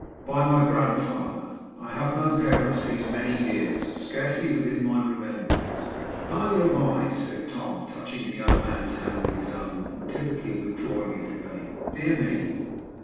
'By my grandfather. I have had no parents these many years. Scarcely within my remembrance.' 'Neither have I,' said Tom, touching the young man's hand with his own and timidly withdrawing it again. 'Dear me!